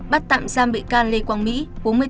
bắt tạm giam bệ can lê quang mỹ